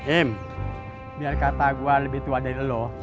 em biar kata gue lebih tua dari lo